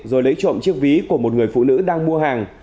rồi lấy trộm chiếc ví của một người phụ nữ đang mua hàng